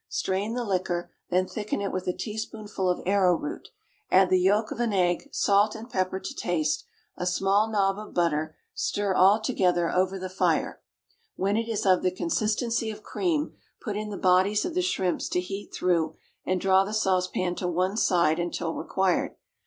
Strain the liquor, then thicken it with a teaspoonful of arrowroot, add the yolk of an egg, salt and pepper to taste, a small nob of butter, stir all together over the fire; when it is of the consistency of cream, put in the bodies of the shrimps to heat through and draw the saucepan to one side until required.